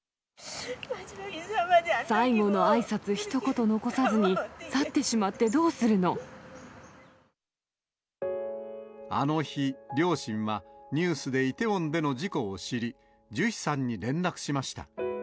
最後のあいさつひと言残さずあの日、両親はニュースでイテウォンでの事故を知り、ジュヒさんに連絡しました。